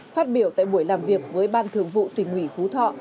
phát biểu tại buổi làm việc với ban thường vụ tỉnh ủy phú thọ